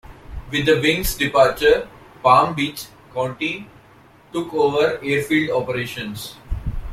With the wing's departure, Palm Beach County took over airfield operations.